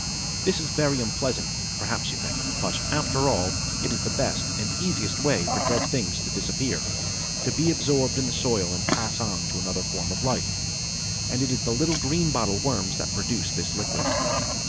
This is very unpleasant, perhaps you think; but, after all, it is the best and easiest way for dead things to disappear, to be absorbed in the soil and pass on to another form of life. And it is the little Greenbottle worms that produce this liquid.